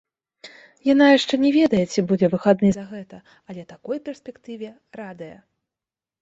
Яна яшчэ не ведае, ці будзе выхадны за гэта, але такой перспектыве радая.